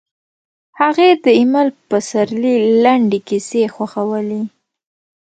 هغې د ایمل پسرلي لنډې کیسې خوښولې